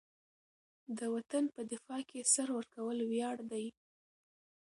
د وطن په دفاع کې سر ورکول ویاړ دی.